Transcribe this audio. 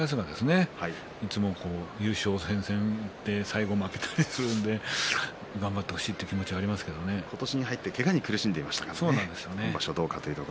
個人的には高安がいつも優勝戦線で最後、負けたりするので頑張ってほしいという気持ちが今年に入ってけがで苦しんでいましたね。